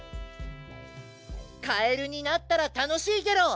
カエルになったらたのしいゲロ。